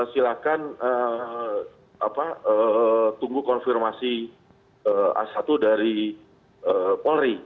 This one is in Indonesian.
silahkan tunggu konfirmasi a satu dari polri